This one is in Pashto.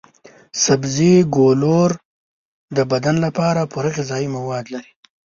سبزي ګولور د بدن لپاره پوره غذايي مواد لري.